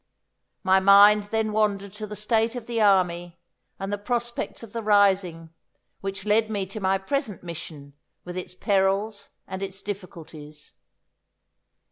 My mind then wandered to the state of the army and the prospects of the rising, which led me to my present mission with its perils and its difficulties.